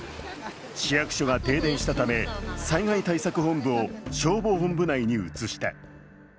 市役所が停電したため災害対策本部を消防本部内に移した。